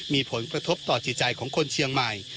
มีผลกระทบต่อจิตใจของคนเชียงใหม่